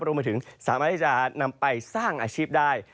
รวมไปถึงสามารถที่จะนำไปสร้างอาชีพได้